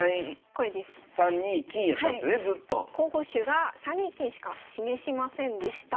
候補手が３二金しか示しませんでした。